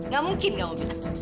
gak mungkin gak mau bilang